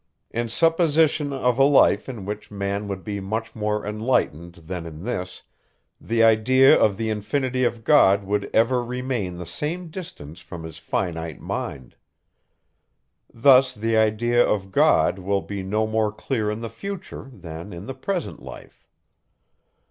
In supposition of a life, in which man would be much more enlightened, than in this, the idea of the infinity of God would ever remain the same distance from his finite mind. Thus the idea of God will be no more clear in the future, than in the present life.